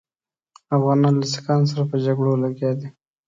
افغانان له سیکهانو سره په جګړو لګیا دي.